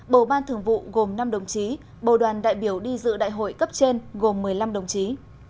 bầu ban thường vụ gồm năm đồng chí bầu đoàn đại biểu đi dự đại hội cấp trên gồm một mươi năm đồng chí